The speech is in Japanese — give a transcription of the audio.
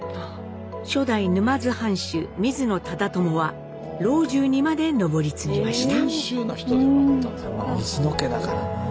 初代沼津藩主・水野忠友は老中にまで上り詰めました。